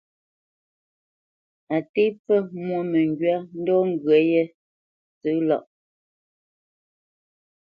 Á tê pfə mwô məŋgywa ndɔ̌ ŋgyə̂ yəcé lâʼ.